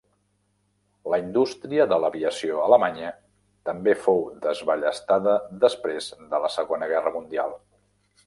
La indústria de l'aviació alemanya també fou desballestada després de la Segona Guerra Mundial.